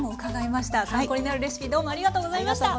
参考になるレシピどうもありがとうございました。